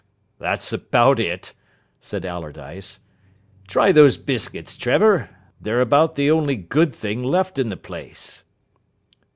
"That's about it," said Allardyce. "Try those biscuits, Trevor. They're about the only good thing left in the place."